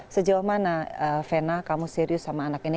sejauh mana vena kamu serius sama anak ini